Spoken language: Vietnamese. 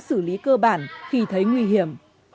xử lý cơ bản khi thấy nguy hiểm